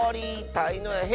たいのやへ